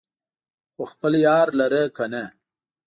خو خپل يار لره کنه